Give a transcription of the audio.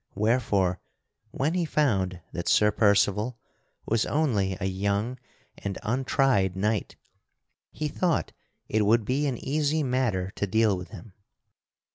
Wherefore when he found that Sir Percival was only a young and untried knight, he thought it would be an easy matter to deal with him.